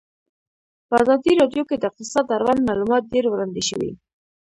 په ازادي راډیو کې د اقتصاد اړوند معلومات ډېر وړاندې شوي.